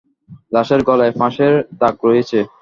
লাশের গলায় ফাঁসের দাগ রয়েছে।